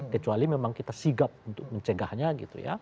kecuali memang kita sigap untuk mencegahnya gitu ya